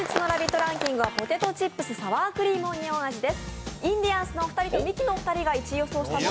ランキングはポテトチップスサワークリームオニオン味です。